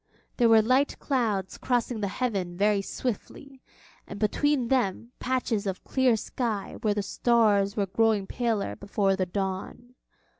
There were light clouds crossing the heaven very swiftly, and between them patches of clear sky where the stars were growing paler before the dawn.